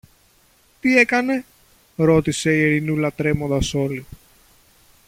Τι έκανε; ρώτησε η Ειρηνούλα τρέμοντας όλη.